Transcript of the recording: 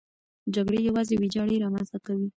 جګړې یوازې ویجاړي رامنځته کوي.